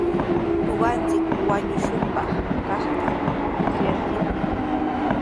Ñuqanchik wañushunpaq kaqta musyanchikmi.